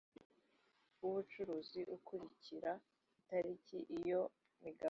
imbonerahamwe y’uko uturere duhagaze mu mutekano mu myaka ibiri